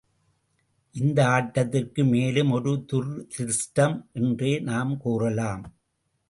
இந்த ஆட்டத்திற்கு மேலும் ஒரு துரதிர்ஷ்டம் என்றே நாம் கூறலாம்.